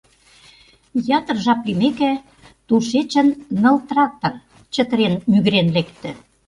Ятыр жап лиймеке, тушечын ныл трактор чытырен-мӱгырен лекте.